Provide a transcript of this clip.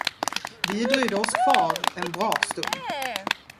Vi dröjde oss kvar en bra stund.